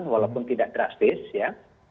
walaupun tidak drastis ya